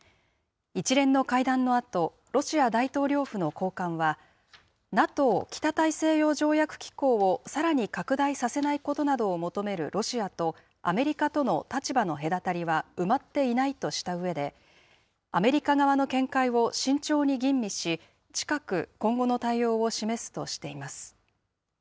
一連の会談のあと、ロシア大統領府の高官は、ＮＡＴＯ・北大西洋条約機構をさらに拡大させないことなどを求めるロシアと、アメリカとの立場の隔たりは埋まっていないとしたうえで、アメリカ側の見解を慎重に吟味し、近く、今後の対応を示すとしています。